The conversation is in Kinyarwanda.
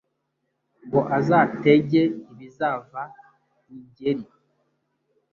Ngo azatege ibizava i Ngeri.